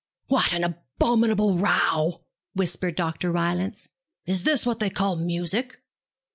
'What an abominable row!' whispered Dr. Rylance. 'Is this what they call music?'